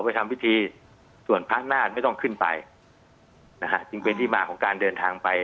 ไปทำพิธีส่วนพระนาฏไม่ต้องขึ้นไปนะฮะจึงเป็นที่มาของการเดินทางไป